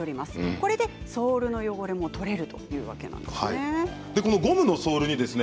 これでソールの汚れも取れるというわけなんですね。